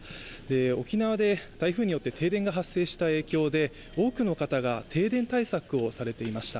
沖縄で台風によって停電が発生した影響で多くの方が停電対策をされていました。